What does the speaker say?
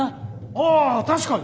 あ確かに！